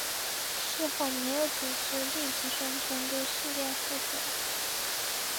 事后没有组织立即宣称对事件负责。